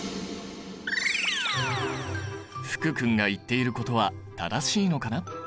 福くんが言っていることは正しいのかな？